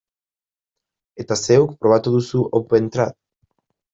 Eta zeuk, probatu duzu OpenTrad?